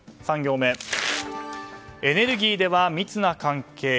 ３行目エネルギーでは密な関係。